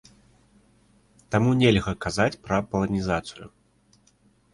Таму нельга казаць пра паланізацыю.